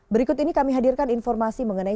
berikut ini kami hadirkan informasi mengenai